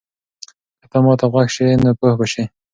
که ته ما ته غوږ سې نو پوه به سې.